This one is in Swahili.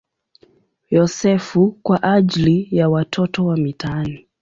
Yosefu" kwa ajili ya watoto wa mitaani.